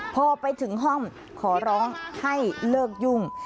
พอไปถึงห้องขอร้องให้เลิกยุ่ง